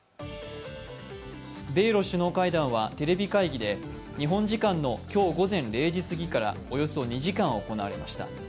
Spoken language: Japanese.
米ロ首脳会談はテレビ会議で日本時間の今日午前０時過ぎからおよそ２時間行われました。